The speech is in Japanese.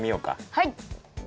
はい！